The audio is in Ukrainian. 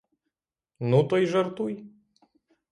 Ну, то й жартуй!